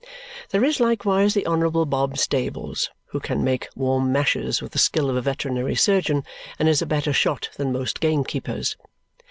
There is likewise the Honourable Bob Stables, who can make warm mashes with the skill of a veterinary surgeon and is a better shot than most gamekeepers.